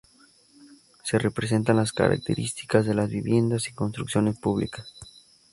Se presentan las características de las viviendas y construcciones públicas.